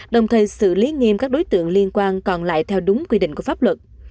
đồng thời xử lý nghiêm các đối tượng liên quan còn lại theo đúng quy định của pháp luật